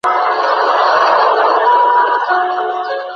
এককোষী ছত্রাকদের সাধারণত কী বলা হয়?